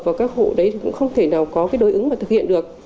và các hộ đấy thì cũng không thể nào có cái đối ứng mà thực hiện được